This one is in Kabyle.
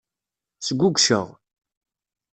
Sgugceɣ.